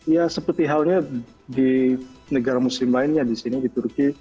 ya seperti halnya di negara muslim lainnya di sini di turki